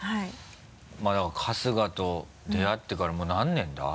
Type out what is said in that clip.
まぁだから春日と出会ってからもう何年だ？